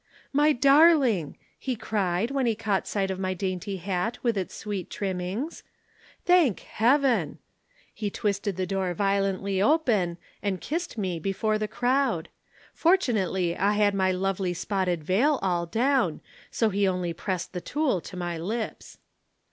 "'My darling!' he cried when he caught sight of my dainty hat with its sweet trimmings. 'Thank Heaven!' He twisted the door violently open and kissed me before the crowd. Fortunately I had my lovely spotted veil all down, so he only pressed the tulle to my lips.